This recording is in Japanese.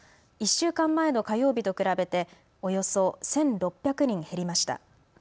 １週間前の火曜日と比べておよそ１６００人減りました。